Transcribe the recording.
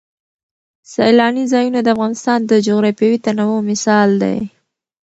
سیلانی ځایونه د افغانستان د جغرافیوي تنوع مثال دی.